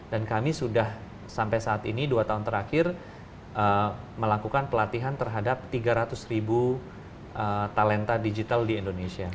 dan kami sudah sampai saat ini dua tahun terakhir melakukan pelatihan terhadap tiga ratus ribu talenta digital di indonesia